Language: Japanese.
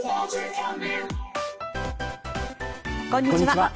こんにちは。